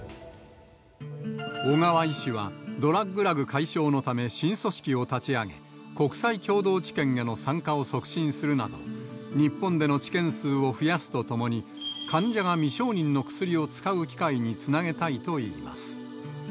小川医師は、ドラッグ・ラグ解消のため、新組織を立ち上げ、国際共同治験への参加を促進するなど、日本での治験数を増やすとともに、患者が未承認の薬を使う機会につなげたいといいます。